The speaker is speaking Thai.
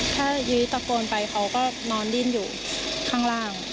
ถ้ายุ้ยตะโกนไปเขาก็นอนดิ้นอยู่ข้างล่าง